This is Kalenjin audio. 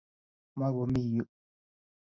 Ma komi yu.